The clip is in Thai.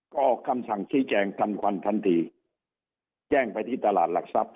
ก็ออกคำสั่งชี้แจงทันควันทันทีแจ้งไปที่ตลาดหลักทรัพย